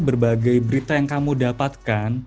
berbagai berita yang kamu dapatkan